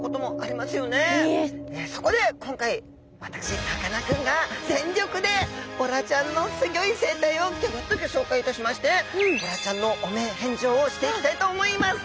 そこで今回私さかなクンが全力でボラちゃんのすギョい生態をギョギョッとギョしょうかいいたしましてボラちゃんの汚名返上をしていきたいと思います。